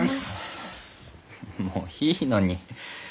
もういいのに。